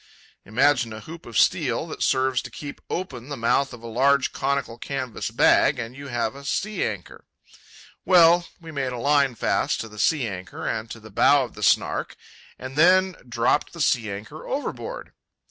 Imagine a hoop of steel that serves to keep open the mouth of a large, conical, canvas bag, and you have a sea anchor. Well, we made a line fast to the sea anchor and to the bow of the Snark, and then dropped the sea anchor overboard.